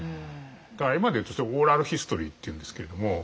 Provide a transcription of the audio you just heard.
だから今でいうとオーラルヒストリーっていうんですけれども。